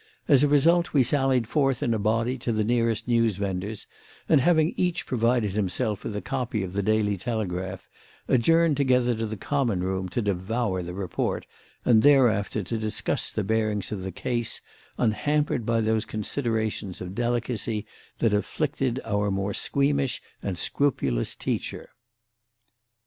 As a result, we sallied forth in a body to the nearest newsvendor's, and, having each provided himself with a copy of the Daily Telegraph, adjourned together to the Common Room to devour the report and thereafter to discuss the bearings of the case, unhampered by those considerations of delicacy that afflicted our more squeamish and scrupulous teacher.